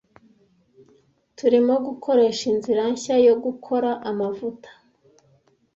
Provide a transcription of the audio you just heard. Turimo gukoresha inzira nshya yo gukora amavuta.